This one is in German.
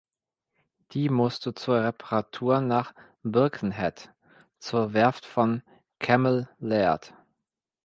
Die musste zur Reparatur nach Birkenhead zur Werft von "Cammell Laird".